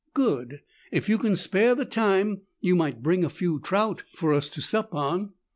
Good! If you can spare the time, you might bring a few trout for us to sup on."